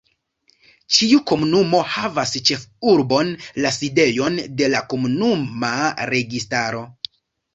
Ĉiu komunumo havas ĉefurbon, la sidejon de la komunuma registaro.